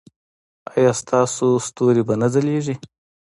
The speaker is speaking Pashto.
ایا ستاسو ستوري به نه ځلیږي؟